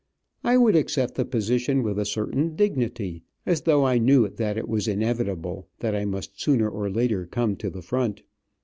I would accept the position with a certain dignity, as though I knew that it was inevitable that I must sooner or later come to the front.